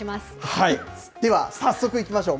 では、早速いきましょう。